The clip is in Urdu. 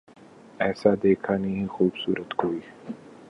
ایسا دیکھا نہیں خوبصورت کوئی